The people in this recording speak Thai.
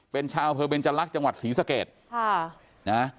เป็นชาวเภอเบนจัยรักษ์จังหวัดศรีสเกรด